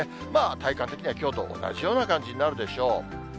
体感的にはきょうと同じような感じになるでしょう。